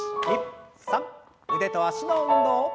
腕と脚の運動。